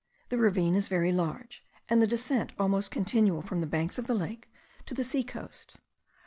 The ravine is very large, and the descent almost continual from the banks of the lake to the sea coast.